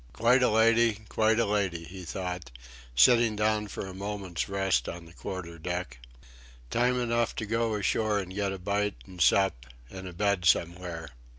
Quite a lady, quite a lady, he thought, sitting down for a moment's rest on the quarter hatch. Time enough to go ashore and get a bite and sup, and a bed somewhere.